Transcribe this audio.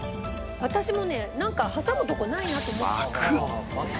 「私もねなんか挟むとこないなって思ってた」